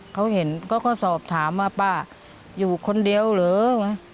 เขาเห็นเขาก็สอบถามว่าป้าอยู่คนเดียวเหรอ